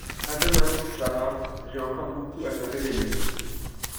À demain, Sara, j’ai encore beaucoup à te révéler.